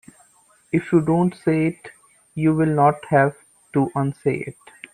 If you don't say it you will not have to unsay it.